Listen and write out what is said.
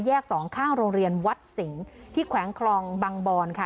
สองข้างโรงเรียนวัดสิงห์ที่แขวงคลองบางบอนค่ะ